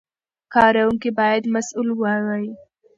کاروونکي باید مسوول واوسي.